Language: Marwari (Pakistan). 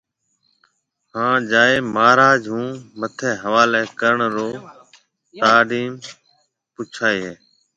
ھان جائيَ مھاراج ھون مٽِي حواليَ ڪرڻ رو ٽاڍيم پوڇائيَ ھيََََ